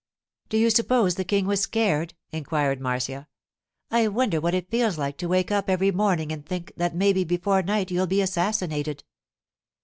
'Do you suppose the King was scared?' inquired Marcia. 'I wonder what it feels like to wake up every morning and think that maybe before night you'll be assassinated.